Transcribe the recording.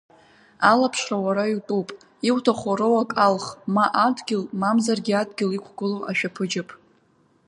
Алаԥшра уара иутәуп, иуҭаху руак алх ма адгьыл, мамзаргьы адгьыл иқәгылоу ашәаԥыџьаԥ.